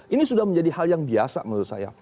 ini sudah menjadi hal yang biasa menurut saya